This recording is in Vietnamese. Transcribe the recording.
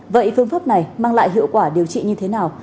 vậy phương pháp này mang lại hiệu quả điều trị như thế nào